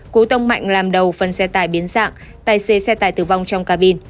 cú tông mạnh làm đầu phân xe tải biến dạng tài xe xe tải tử vong trong cabin